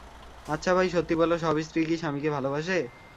আচ্ছা ভাই, সত্যি বলো সব স্ত্রীই কি স্বামীকে ভালোবাসে?